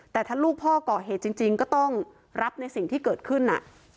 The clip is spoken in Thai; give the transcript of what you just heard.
แต่ถ้าลูกพ่อก่อเหตุจริงก็ต้องรับในสิ่งที่เกิดขึ้น